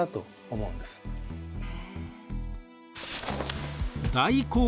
そうですね。